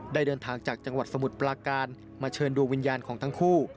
เดินทางจากจังหวัดสมุทรปลาการมาเชิญดวงวิญญาณของทั้งคู่